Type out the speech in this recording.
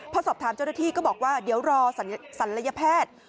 พอสอบถามเจ้าหน้าที่ก็บอกว่าเดี๋ยวรอศัลยแพทย์